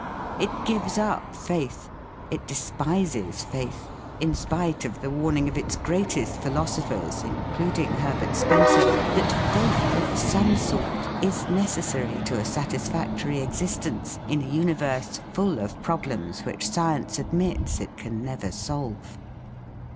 It gives up faith, it despises faith, in spite of the warning of its greatest philos ophers, including Herbert Spencer, that faith of some sort is necessary to a satisfactory existence in a universe full of problems which science admits it can never solve.